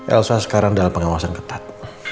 elsa sekarang dalam pengawasan ketat